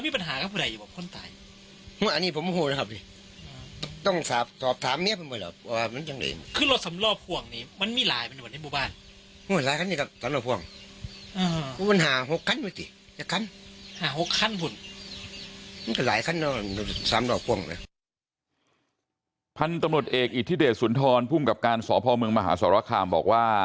พันธุ์ตำรวจเอกอิทธิเดชสุนทรภูมิกับการสพเมืองมหาสรคามบอกว่า